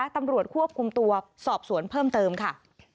ตำรวจควบคุมตัวสอบสวนเพิ่มเติมค่ะ